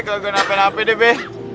gak usah nape nape deh be